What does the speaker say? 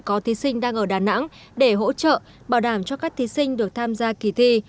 có thí sinh đang ở đà nẵng để hỗ trợ bảo đảm cho các thí sinh được tham gia kỳ thi